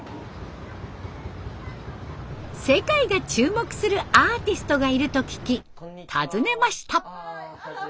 世界が注目するアーティストがいると聞き訪ねました。